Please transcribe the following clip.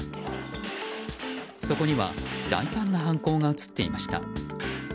そこには大胆な犯行が映っていました。